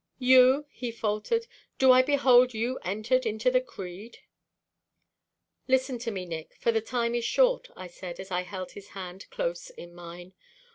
"You?" he faltered. "Do I behold you entered into the creed?" "Listen to me, Nick, for the time is short," I said, as I held his hand close in mine.